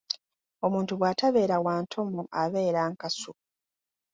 Omuntu bw’atabeera wa ntomo abeera nkasu.